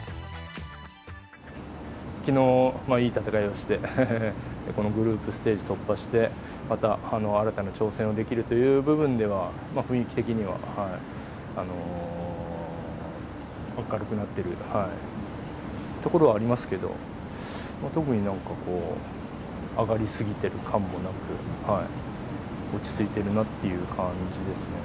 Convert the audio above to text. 昨日、いい戦いをしてこのグルーステージ突破してまた、新たな挑戦ができるという部分では雰囲気的には明るくなっているところはありますけど、特になんかこう上がりすぎてる感もなく落ち着いているなという感じですね。